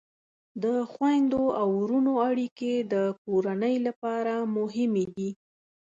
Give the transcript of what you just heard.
د خویندو او ورونو اړیکې د کورنۍ لپاره مهمې دي.